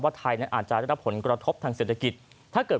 ไทยนั้นอาจจะได้รับผลกระทบทางเศรษฐกิจถ้าเกิด